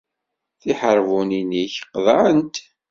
Tiḥerbunin-ik qeḍɛent.